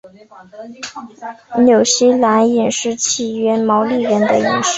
纽西兰饮食起源于毛利人的饮食。